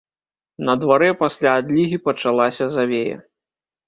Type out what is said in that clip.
На дварэ пасля адлігі пачалася завея.